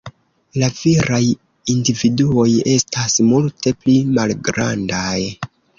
La viraj individuoj estas multe pli malgrandaj.